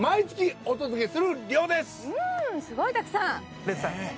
すごいたくさん！